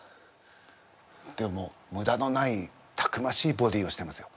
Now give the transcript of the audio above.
でもむだのないたくましいボディーをしてますよ。